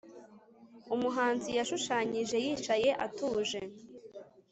umuhanzi yashushanyije yicaye atuje